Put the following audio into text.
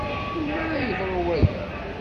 Melmi ara yeḍru waya?